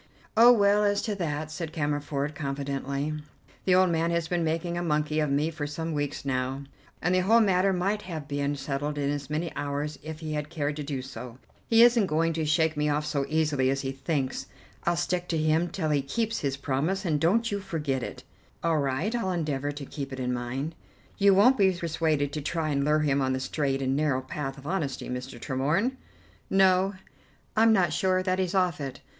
"Oh, well, as to that," said Cammerford, confidently, "the old man has been making a monkey of me for some weeks now, and the whole matter might have been settled in as many hours if he had cared to do so. He isn't going to shake me off so easily as he thinks. I'll stick to him till he keeps his promise, and don't you forget it." "All right, I'll endeavour to keep it in mind." "You won't be persuaded to try and lure him on to the straight and narrow path of honesty, Mr. Tremorne?" "No, I'm not sure that he's off it.